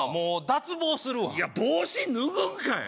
脱帽するわいや帽子脱ぐんかい！